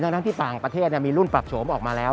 ทั้งที่ต่างประเทศมีรุ่นปรับโฉมออกมาแล้ว